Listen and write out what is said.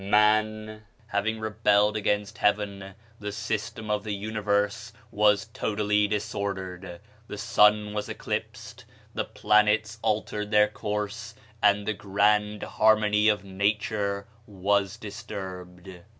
Man having rebelled against Heaven, the system of the universe was totally disordered. The sun was eclipsed, the planets altered their course, and the grand harmony of nature was disturbed."